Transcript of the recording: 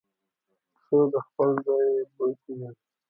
پسه د خپل ځای بوی پېژني.